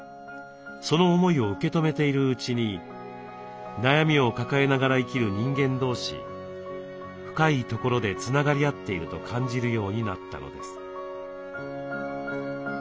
その思いを受け止めているうちに悩みを抱えながら生きる人間同士深いところでつながり合っていると感じるようになったのです。